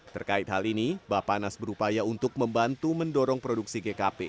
terkait hal ini bapak nas berupaya untuk membantu mendorong produksi gkp